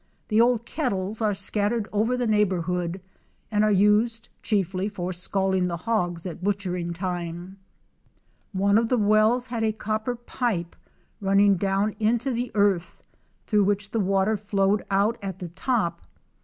The old kettles are scattered over the neighborhood and are used chiefly for scalding the hogs at butchering time, One of the wells had a copper pipe run ning down into the earth through which the water flowed out at the top.